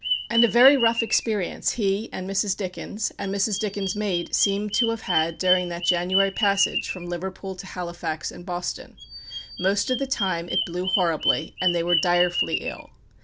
And a very rough experience he, and Mrs. Dickens, and Mrs. Dickens' maid seem to have had during that January passage from Liverpool to Halifax and Boston. Most of the time it blew horribly, and they were direfully ill.